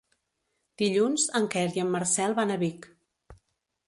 Dilluns en Quer i en Marcel van a Vic.